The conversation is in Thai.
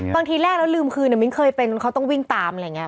บางทีแรกแล้วลืมคืนมิ้นเคยเป็นเขาต้องวิ่งตามอะไรอย่างนี้